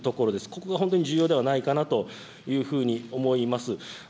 ここが本当に重要ではないかなというふうに思います。